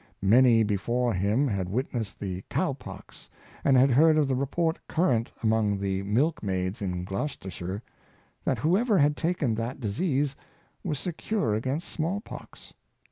Many, before him, had witnessed the cow pox, and had heard of the report current among the milk maids in Gloucestershire, that whoever had taken that disease was secure against small pox.